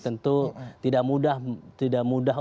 tentu tidak mudah